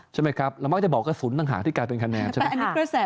ใช่ไหมครับเรามักจะบอกกระสุนต่างหากที่กลายเป็นคะแนนใช่ไหม